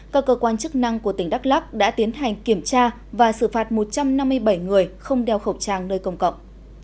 các cơ quan chức năng của tỉnh đắk lắc đã tiến hành kiểm tra và xử phạt một trăm năm mươi bảy người không đeo khẩu trang nơi công cộng